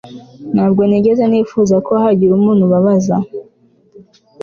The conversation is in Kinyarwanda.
ntabwo nigeze nifuza ko hagira umuntu ubabaza